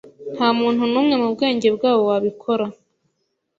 Ntamuntu numwe mubwenge bwabo wabikora.